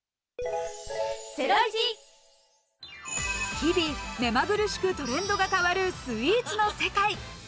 日々、目まぐるしくトレンドが変わるスイーツの世界。